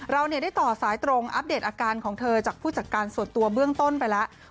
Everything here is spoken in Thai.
เราได้ต่อสายตรงอัปเดตอาการของเธอจากผู้จัดการส่วนตัวเบื้องต้นไปแล้ว